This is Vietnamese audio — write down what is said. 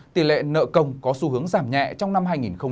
tỷ lệ nợ công có xu hướng giảm nhẹ trong năm hai nghìn một mươi bảy